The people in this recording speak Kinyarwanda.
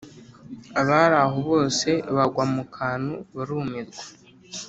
Abari aho bose bagwa mu kantu barumirwa